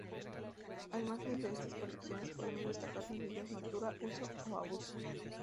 Al margen de estas colecciones, podemos destacar los libros "Natura, uso o abuso?